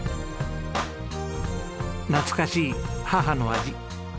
懐かしい母の味